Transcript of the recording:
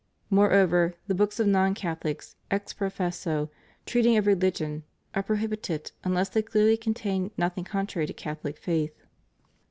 Moreover, the books of non Catholics, ex professo treating of religion, are prohibited, unless they clearly con tain nothing contrary to Cathohc faith, 4.